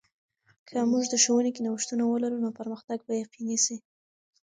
که موږ د ښوونې کې نوښتونه ولرو، نو پرمختګ به یقیني سي.